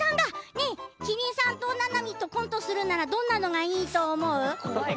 希林さん、ななみとコントするならどんなのがいいと思う？